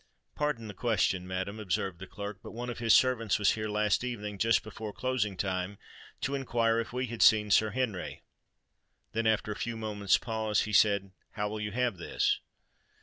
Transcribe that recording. "Pardon the question, madam," observed the clerk; "but one of his servants was here last evening, just before closing time, to enquire if we had seen Sir Henry:"—then, after a few moments' pause, he said, "How will you have this?"